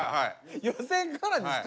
予選からですか？